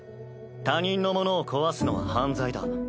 他人のものを壊すのは犯罪だ。